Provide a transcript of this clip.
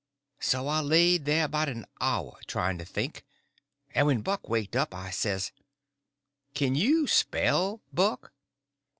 So I laid there about an hour trying to think, and when Buck waked up I says: "Can you spell, Buck?"